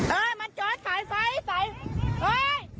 โอ้ยลุงไปไหนแล้ว